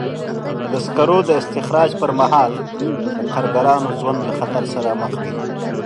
د سکرو د استخراج پر مهال د کارګرانو ژوند له خطر سره مخ وي.